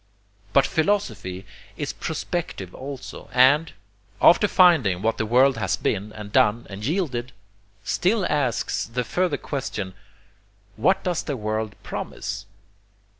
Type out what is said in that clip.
But philosophy is prospective also, and, after finding what the world has been and done and yielded, still asks the further question 'what does the world PROMISE?'